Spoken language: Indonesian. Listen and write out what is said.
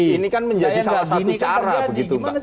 ini kan menjadi salah satu cara